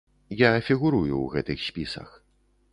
Я фігурую ў гэтых спісах.